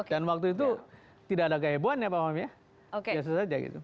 waktu itu tidak ada kehebohan ya pak om ya biasa saja gitu